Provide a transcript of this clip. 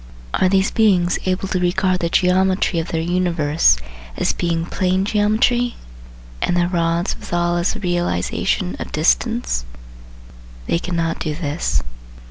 Are these beings able to regard the geometry of their universe as being plane geometry and their rods withal as the realisation of " distance "? They cannot do this.